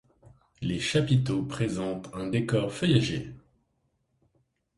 Les chapiteaux présentent un décor feuillagé.